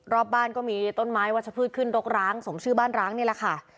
รอบบ้านก็มีต้นไม้วัชพืชขึ้นรกร้างสมชื่อบ้านร้างนี่แหละค่ะ